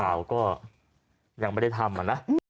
เปล่าก็ยังไม่ได้ทำอ่ะนะ